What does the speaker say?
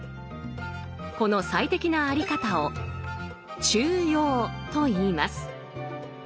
この最適なあり方を「中庸」といいます。